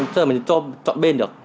chứ là mình chọn bên được